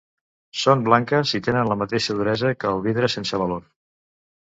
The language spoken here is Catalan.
Són blanques, i tenen la mateixa duresa que el vidre sense valor.